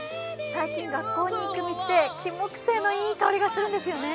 最近、学校に行く道でキンモクセイのいい香りがするんですよね。